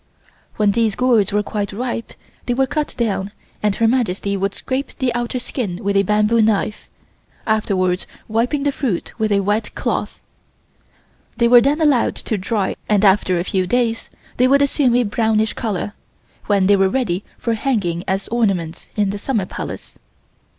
When these gourds were quite ripe they were cut down and Her Majesty would scrape the outer skin with a bamboo knife, afterwards wiping the fruit with a wet cloth. They were then allowed to dry and after a few days they would assume a brownish color, when they were ready for hanging as ornaments in the Summer Palace.